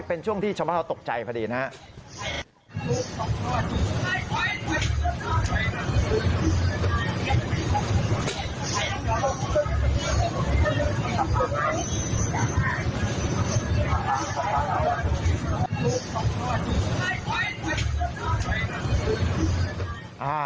เป็นช่วงที่ชาวบ้านเขาตกใจพอดีนะครับ